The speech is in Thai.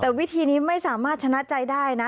แต่วิธีนี้ไม่สามารถชนะใจได้นะ